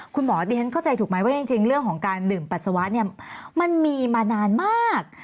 คุณหมอเดี๋ยงเข้าใจถูกไหมว่าเรื่องของการหนึ่งปัสสาวะมันมีมานานมาก